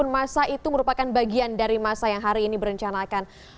masa itu merupakan bagian dari masa yang hari ini berencanakan